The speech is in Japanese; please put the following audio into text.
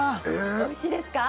おいしいですか？